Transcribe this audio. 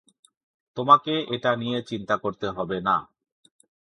তোমাকে এটা নিয়ে চিন্তা করতে হবে না।